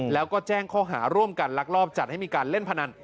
แล้วก็แจ้งข้อหาร่วมกันลักลอบจัดให้มีการเล่นพนัน